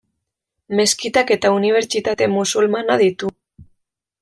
Meskitak eta unibertsitate musulmana ditu.